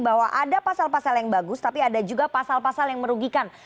bahwa ada pasal pasal yang bagus tapi ada juga pasal pasal yang merugikan